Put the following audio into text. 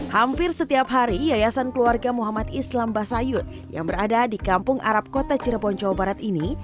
hampir setiap hari yayasan keluarga muhammad islam basayut yang berada di kampung arab kota cirebon jawa barat ini